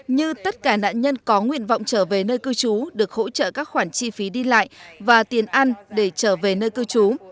như tất cả nạn nhân có nguyện vọng trở về nơi cư trú được hỗ trợ các khoản chi phí đi lại và tiền ăn để trở về nơi cư trú